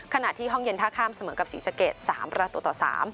ขณะที่ห้องเย็นท่าข้ามเสมอกับศรีสะเกด๓ประตูต่อ๓